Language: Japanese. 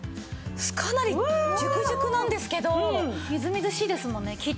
かなりジュクジュクなんですけどみずみずしいですもんね切った断面が。